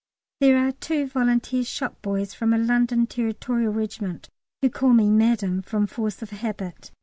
There are two Volunteer shop boys from a London Territorial Regiment, who call me "Madam" from force of habit.